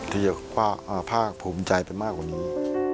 ถือว่าภาคผมจะให้เป็นมากกว่านี้